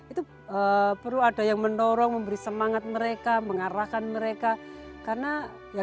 itu perlu ada yang menolong memberi semangat mereka mengarahkan mereka